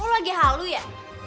lu lagi halu ya